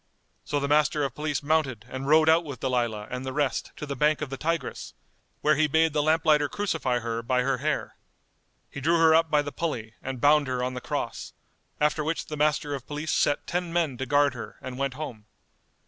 So the Master of Police mounted and rode out with Dalilah and the rest to the bank of the Tigris, where he bade the lamp lighter crucify her by her hair. He drew her up by the pulley and bound her on the cross; after which the Master of Police set ten men to guard her and went home.